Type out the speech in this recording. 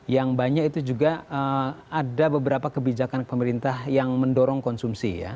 yang banyak itu juga ada beberapa kebijakan pemerintah yang mendorong konsumsi ya